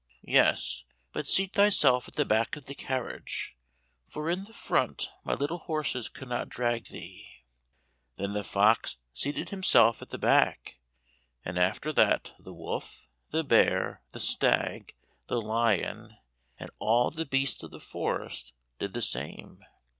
"Yes, but seat thyself at the back of the carriage, for in the front my little horses could not drag thee." Then the fox seated himself at the back, and after that the wolf, the bear, the stag, the lion, and all the beasts of the forest did the same.